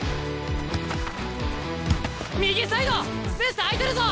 右サイドスペース空いてるぞ！